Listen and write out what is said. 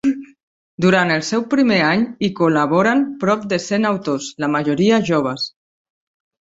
Durant el seu primer any hi col·laboraren prop de cent autors, la majoria joves.